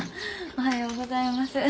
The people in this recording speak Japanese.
おはようございます。